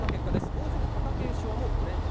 大関・貴景勝も５連勝。